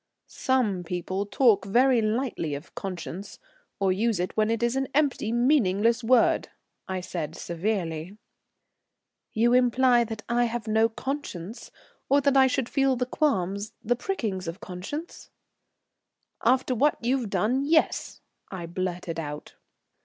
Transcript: "Some people talk very lightly of conscience, or use it when it is an empty meaningless word," I said severely. "You imply that I have no conscience, or that I should feel the qualms, the prickings of conscience?" "After what you've done, yes," I blurted out.